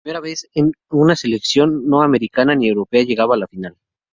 Por primera vez una selección no americana ni europea llegaba a la final.